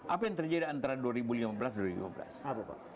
apa yang terjadi antara dua ribu lima belas dan dua ribu lima belas